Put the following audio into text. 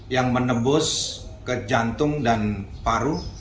yang menebus ke jantung dan paru